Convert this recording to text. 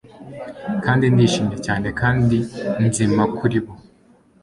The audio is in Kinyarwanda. kandi ndishimye cyane kandi nzima kuri bo